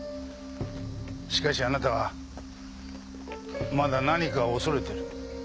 しかしあなたはまだ何かを恐れてる。